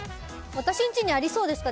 私んちにありそうですかね？